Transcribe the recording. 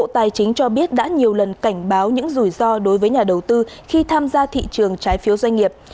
tài chính cho biết đã nhiều lần cảnh báo những rủi ro đối với nhà đầu tư khi tham gia thị trường trái phiếu doanh nghiệp